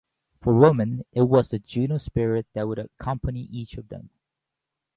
For women, it was the "Juno" spirit that would accompany each of them.